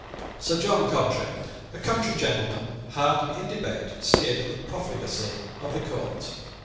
Sir John Coventry, a country gentleman, had, in debate, sneered at the profligacy of the court.